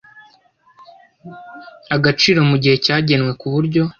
agaciro mu gihe cyagenwe ku buryo